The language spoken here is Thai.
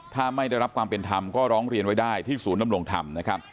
ถ้าไม่ได้รับความเป็นธรรมก็ร้องเรียนไว้ได้ที่ศูนย์ดำรงธรรมนะครับ